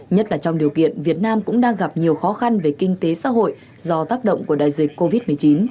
nhất là trong điều kiện việt nam cũng đang gặp nhiều khó khăn về kinh tế xã hội do tác động của đại dịch covid một mươi chín